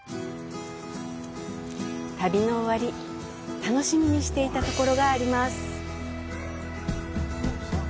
旅の終わり楽しみにしていたところがあります。